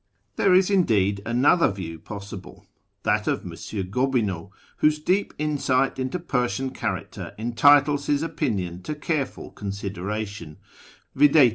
There is, indeed, another view possible — that of M. Gobin eau, whose deep insight into Persian character entitles his opinion to careful consideration — viz.